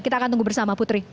kita akan tunggu bersama putri